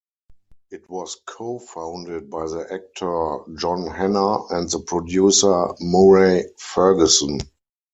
It was co-founded by the actor John Hannah and the producer Murray Ferguson.